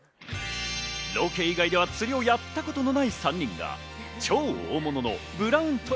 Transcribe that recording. ロケ以外で釣りをやったことのない３人が超大物のブラウント